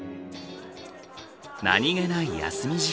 何気ない休み時間。